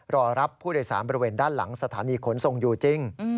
รอรับผู้โดยสารบริเวณด้านหลังสถานีขนส่งอยู่จริง